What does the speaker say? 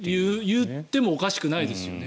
言ってもおかしくないですよね。